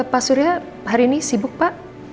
pak surya hari ini sibuk pak